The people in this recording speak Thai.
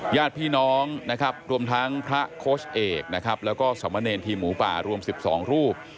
ญาติพี่น้องนะครับรวมทั้งพระโค้ชเอกนะครับแล้วก็สมเนรทีมหมูป่ารวม๑๒รูป